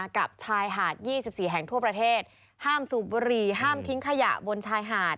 กับชายหาด๒๔แห่งทั่วประเทศห้ามสูบบุหรี่ห้ามทิ้งขยะบนชายหาด